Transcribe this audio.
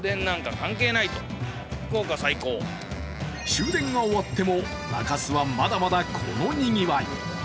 終電が終わっても中洲はまだまだこのにぎわい。